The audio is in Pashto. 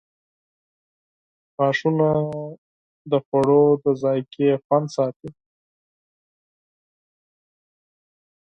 • غاښونه د خوړو د ذایقې خوند ساتي.